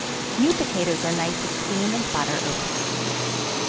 New potatoes are nice with cream and butter over them.